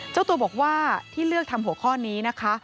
เจ้าตัวบอกว่าที่เลือกทำหัวข้อนี้นะคะ